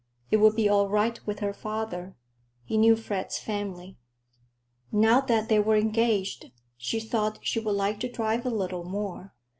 —It would be all right with her father; he knew Fred's family. Now that they were engaged, she thought she would like to drive a little more.